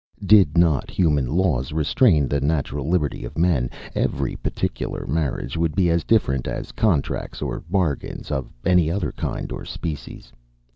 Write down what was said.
Did not human laws restrain the natural liberty of men, every particular marriage would be as different as contracts or bargains of any other kind or species.